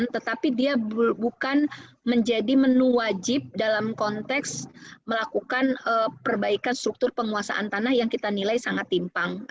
tetapi dia bukan menjadi menu wajib dalam konteks melakukan perbaikan struktur penguasaan tanah yang kita nilai sangat timpang